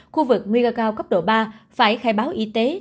khu vực nguy cơ cao cấp độ ba phải khai báo y tế